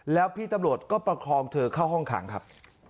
แล้วพี่ตำรวจก็ประคองเธอเข้าห้องขังครับ